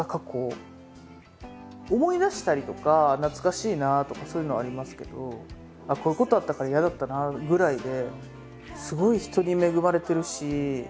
思い出したりとか「懐かしいなあ」とかそういうのはありますけど「こういうことあったから嫌だったなあ」ぐらいで。